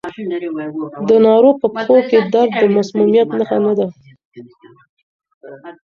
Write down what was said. د ناروغ په پښو کې درد د مسمومیت نښه نه ده.